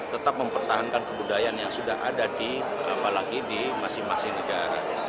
tetap mempertahankan kebudayaan yang sudah ada apalagi di masing masing negara